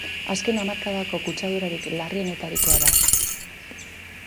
Azken hamarkadako kutsadurarik larrienetarikoa da.